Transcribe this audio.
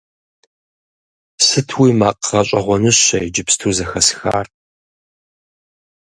Сытуи макъ гъэщӀэгъуэныщэ иджыпсту зэхэсхар!